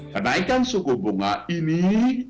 penaikan suku bunga ini untuk